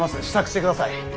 支度してください。